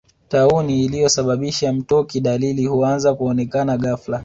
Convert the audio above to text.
Tauni inayosababisha mtoki Dalili huanza kuonekana ghafla